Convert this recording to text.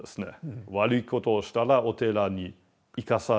悪いことをしたらお寺に行かされる。